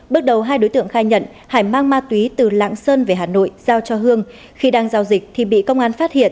bước đầu hai đối tượng khai nhận hải mang ma túy từ lạng sơn về hà nội giao cho hương